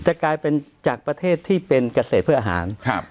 จะกลายเป็นจากประเทศที่เป็นเกษตรเพื่ออาหารครับ